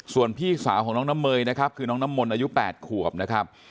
ส่วนพี่สาวของน้องน้ำเมยนะครับคือน้องน้ำมนต์อายุ๘ขวบนะครับ